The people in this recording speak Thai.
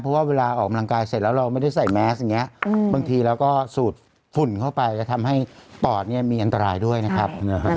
เพราะว่าเวลาออกกำลังกายเสร็จแล้วเราไม่ได้ใส่แมสอย่างนี้บางทีเราก็สูดฝุ่นเข้าไปจะทำให้ปอดเนี่ยมีอันตรายด้วยนะครับ